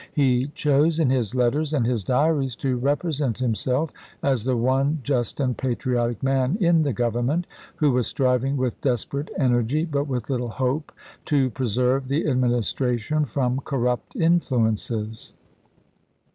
He chose in his letters and his diaries to represent himself as the one just and patriotic man in the Government, who was striving with desperate energy, but with little hope, to preserve the Administration from corrupt influences.